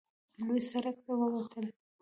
لوی سړک ته ووتل.